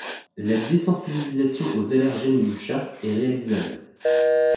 La désensibilisation aux allergènes du chat est réalisable.